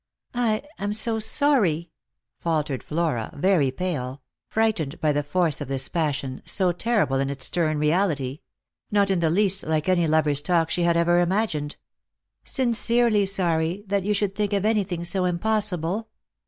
" I am so sorry," faltered Flora, very pale — frightened by the force of this passion, so terrible in its stern reality; not in the least like any lover's talk she had ever imagined—" sincerely sorry that you should think of anything so impossible.